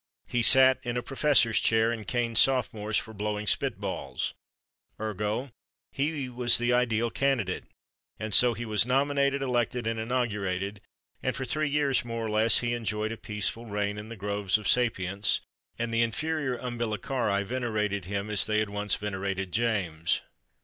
He sat in a professor's chair and caned sophomores for blowing spit balls. Ergo, he was the ideal candidate, and so he was nominated, elected and inaugurated, and for three years, more or less, he enjoyed a peaceful reign in the groves of sapience, and the inferior umbilicarii venerated him as they had once venerated James.